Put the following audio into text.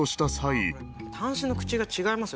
端子の口が違いますよ。